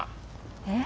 えっ？